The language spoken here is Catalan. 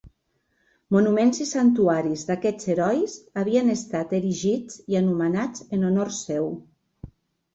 Monuments i santuaris d'aquests herois havien estat erigits i anomenats en honor seu.